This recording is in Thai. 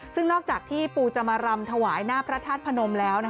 ซึ่งนอกจากที่ปูจะมารำถวายหน้าพระธาตุพนมแล้ว